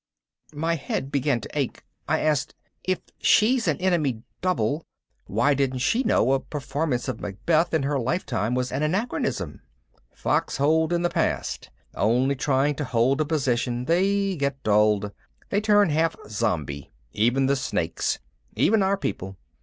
My head began to ache. I asked, "If she's an enemy double, why didn't she know a performance of Macbeth in her lifetime was an anachronism?" "Foxholed in the past, only trying to hold a position, they get dulled. They turn half zombie. Even the Snakes. Even our people.